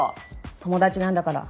友達なんだから。